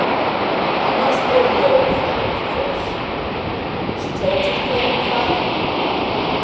"I must go to the old fellow, of course." "She told you to go to her father?"